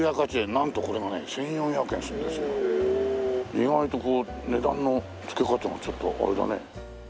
意外とこう値段の付け方がちょっとあれだね。